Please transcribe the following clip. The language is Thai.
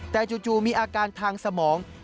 แต่จู่มีอาการทางสมอง